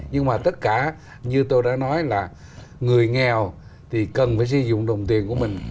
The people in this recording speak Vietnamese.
nhưng mà tất cả như tôi đã nói là người nghèo thì cần phải sử dụng đồng tiền của mình